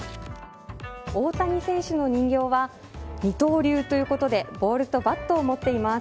大谷選手の人形は二刀流ということでボールとバットを持っています。